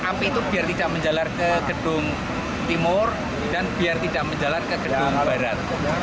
api itu biar tidak menjalar ke gedung timur dan biar tidak menjalan ke gedung barat